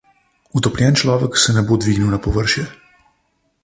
Utopljen človek se ne bo dvignil na površje.